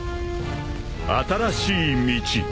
［「新しい道」］